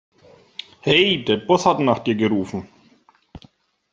Hey, der Boss hat nach dir gerufen.